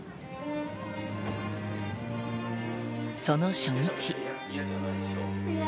その初日。